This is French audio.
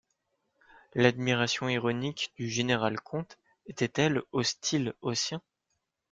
L'admiration ironique du général-comte était-elle hostile aux siens?